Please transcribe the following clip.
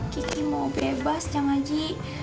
kiki mau bebas cang aji